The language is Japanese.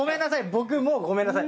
僕もうごめんなさい。